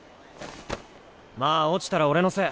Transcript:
まあ落ちたら俺のせい。